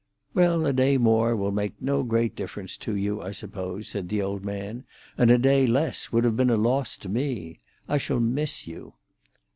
"Well, a day more will make no great difference to you, I suppose," said the old man, "and a day less would have been a loss to me. I shall miss you."